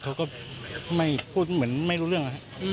เขาก็พูดเหมือนไม่รู้เรื่อง